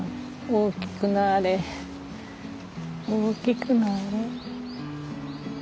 「大きくなれ大きくなれ」